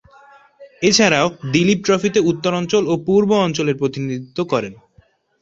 এছাড়াও, দিলীপ ট্রফিতে উত্তর অঞ্চল ও পূর্ব অঞ্চলের প্রতিনিধিত্ব করেন।